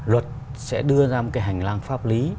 luật sẽ đưa ra một cái hành lang pháp lý